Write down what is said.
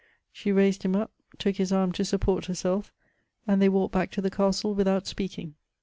She raised him up, took his ami to support herself, "and they walked back to the castle without speaking.